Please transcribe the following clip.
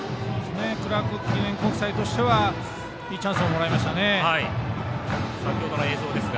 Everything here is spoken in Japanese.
クラーク記念国際としてはいいチャンスをもらいましたね。